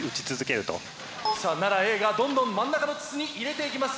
さあ奈良Ａがどんどん真ん中の筒に入れていきます。